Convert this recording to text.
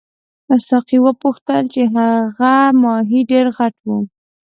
ساقي وپوښتل چې هغه ماهي ډېر غټ وو.